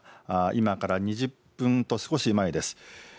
今から２０分と少し前です。